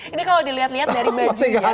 ini kalau dilihat lihat dari bajunya